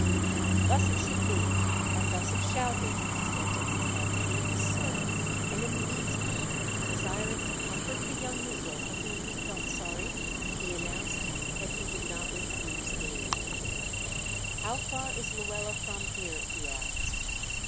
"Thus it should be and thus it shall be!" he said to himself in his soul, and in the meantime, desiring to comfort the young negro for whom he felt sorry, he announced that he did not refuse aid. "How far is Luela from here?" he asked.